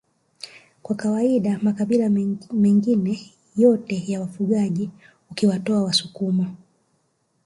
Kwa kawaida makabila mengine yote ya wafugaji ukiwatoa wasukuma